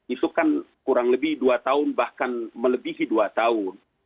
itu kan kurang lebih dua tahun bahkan melebihi dua tahun